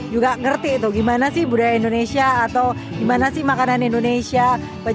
juga ngerti tuh gimana sih budaya indonesia atau gimana sih makanan indonesia